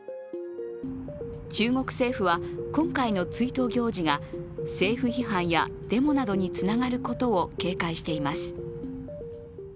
中国政府は今回の追悼行事が政府批判やデモなどにつながることを警戒しています。